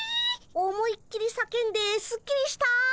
思いっきりさけんですっきりした。